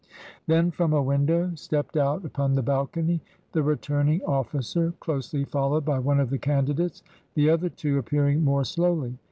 Then from a window stepped out upon the balcony the returning officer, closely followed by one of the candidates, the other two appearing more slowly.